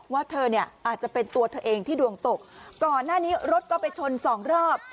ว่าเธอเนี่ยอาจจะเป็นตัวเธอเองที่ดวงตกก่อนหน้านี้รถก็ไปชนสองรอบ